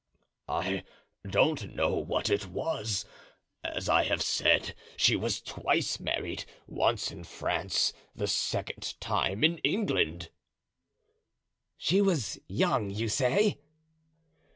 "I don't know what it was. As I have said, she was twice married, once in France, the second time in England." "She was young, you say?"